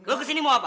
lu kesini mau apa